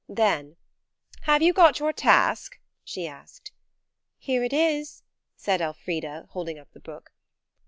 Then– "Have you got your task?" she asked. "Here it is," said Elfrida, holding up the book.